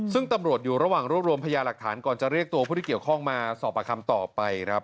ซึ่งตำรวจอยู่ระหว่างรวบรวมพยาหลักฐานก่อนจะเรียกตัวผู้ที่เกี่ยวข้องมาสอบประคำต่อไปครับ